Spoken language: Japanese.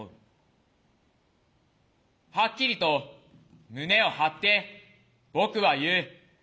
はっきりと胸を張って僕は言う。